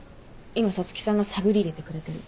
今五月さんが探り入れてくれてる。